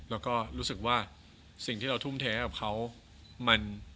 แล้วก็รู้สึกว่าสิ่งที่เราทุ่มเทให้กับเขามัน